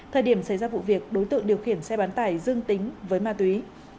thời điểm xảy ra vụ việc đối tượng điều khiển xe bán tải dương tính với ma túy